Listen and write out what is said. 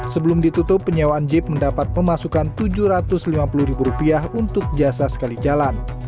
sebelum ditutup penyewaan jeep mendapat pemasukan rp tujuh ratus lima puluh untuk jasa sekali jalan